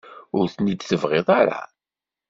Ur ten-tebɣiḍ ara?